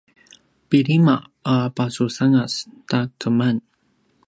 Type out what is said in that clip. pilima a pasusangas ta keman